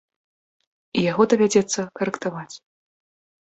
І яго давядзецца карэктаваць.